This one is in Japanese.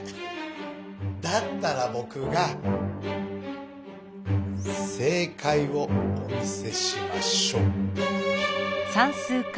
だったらぼくが正かいをお見せしましょう！